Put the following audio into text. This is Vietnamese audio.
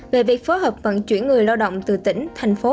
về việc phối hợp vận chuyển người lao động từ tỉnh thành phố